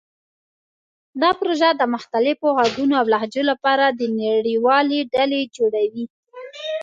دا پروژه د مختلفو غږونو او لهجو لپاره د نړیوالې ډلې جوړوي.